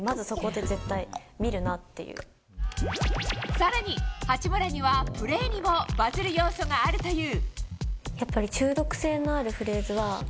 更に、八村にはプレーにもバズる要素があるという。